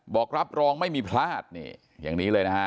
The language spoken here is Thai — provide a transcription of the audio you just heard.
บอกรับรองไม่มีพลาดนี่อย่างนี้เลยนะฮะ